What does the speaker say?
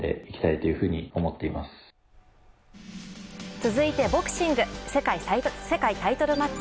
続いてボクシング世界タイトルマッチ。